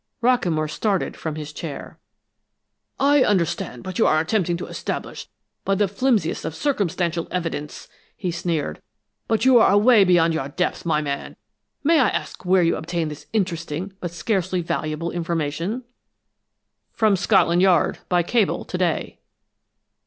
Rockamore started from his chair. "I understand what you are attempting to establish by the flimsiest of circumstantial evidence!" he sneered. "But you are away beyond your depth, my man! May I ask where you obtained this interesting but scarcely valuable information?" "From Scotland Yard, by cable, to day."